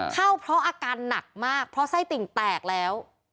เข้าเพราะอาการหนักมากเพราะไส้ติ่งแตกแล้ว